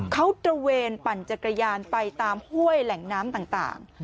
เขาตระเวนปั่นจักรยานไปตามห้วยแหล่งน้ำต่าง